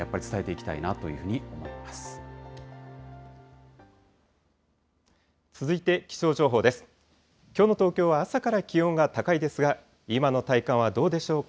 きょうの東京は朝から気温が高いですが、今の体感はどうでしょうか。